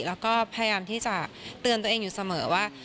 แล้วก็พยายามที่จะเตือนตัวเองอยู่เสมอว่า